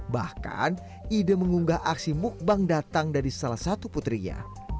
bahkan ide mengunggah aksi mukbang datang dari salah satu putrinya